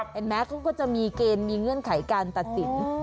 เห็นไหมเขาก็จะมีเกณฑ์มีเงื่อนไขการตัดสิน